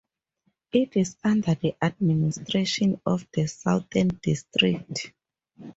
It is under the administration of the Southern District.